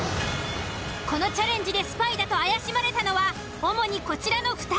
このチャレンジでスパイだと怪しまれたのは主にこちらの２人。